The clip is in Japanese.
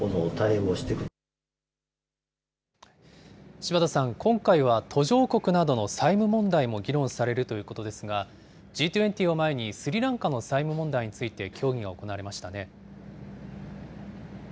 柴田さん、今回は途上国などの債務問題も議論されるということですが、Ｇ２０を前にスリランカの債務問題について協議が行われましたね。